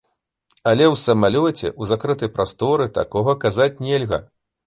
Але ў самалёце, у закрытай прасторы такога казаць нельга.